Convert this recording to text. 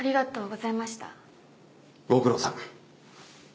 ご苦労さん。